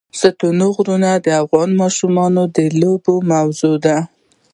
ستوني غرونه د افغان ماشومانو د لوبو موضوع ده.